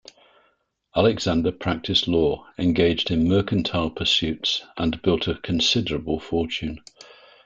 Alexander practiced law, engaged in mercantile pursuits, and built a considerable fortune.